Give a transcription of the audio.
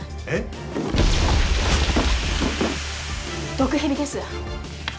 毒蛇です。